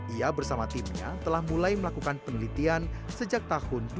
ia bersama timnya telah mulai melakukan penelitian sejak tahun dua ribu lima belas lalu